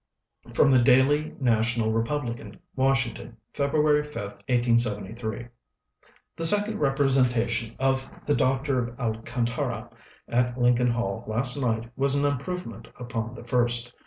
From "The Daily National Republican," Washington, Feb. 5, 1873: "The second representation of 'The Doctor of Alcantara' at Lincoln Hall last night was an improvement upon the first.